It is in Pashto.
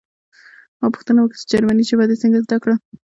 ما پوښتنه وکړه چې جرمني ژبه دې څنګه زده کړه